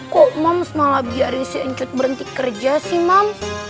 kok mams malah biarin si encut berhenti kerja sih mams